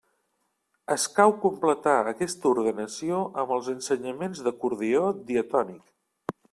Escau completar aquesta ordenació amb els ensenyaments d'acordió diatònic.